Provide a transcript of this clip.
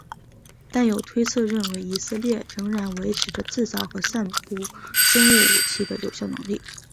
但有推测认为以色列仍然维持着制造和散布生物武器的有效能力。